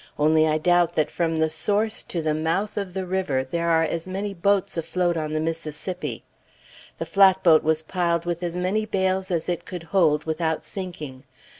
Only I doubt that from the source to the mouth of the river there are as many boats afloat on the Mississippi. The flatboat was piled with as many bales as it could hold without sinking.